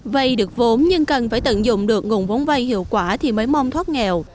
vây được vốn nhưng cần phải tận dụng được nguồn vốn vay hiệu quả thì mới mong thoát nghèo